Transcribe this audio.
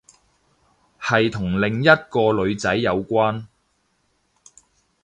係同另一個女仔有關